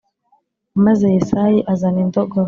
Maze Yesayi azana indogobe